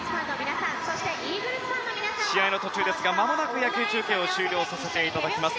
試合の途中ですがまもなく野球中継を終了させていただきます。